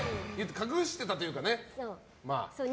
隠してたというかね。